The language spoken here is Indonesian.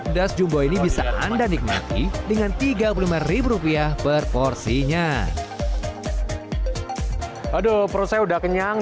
pedas jumbo ini bisa anda nikmati dengan tiga puluh lima rupiah per porsinya aduh perut saya udah kenyang